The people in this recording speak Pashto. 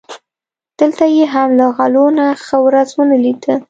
دلته یې هم له غلو نه ښه ورځ و نه لیده.